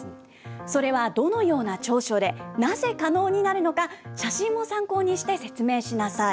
それはどのような長所で、なぜ可能になるのか、写真も参考にして、説明しなさい。